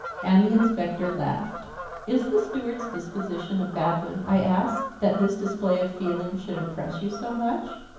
And the inspector laughed. "Is the steward's disposition a bad one." I asked, "that this display of feeling should impress you so much?"